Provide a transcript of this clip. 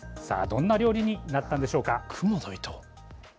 さあ、どんな料理になったのでしょうか。